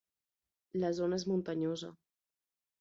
La zona és muntanyosa.